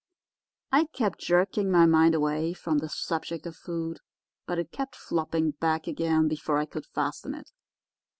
I kept jerking my mind away from the subject of food, but it kept flopping back again before I could fasten it.